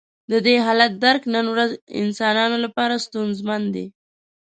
د دې حالت درک نن ورځ انسانانو لپاره ستونزمن دی.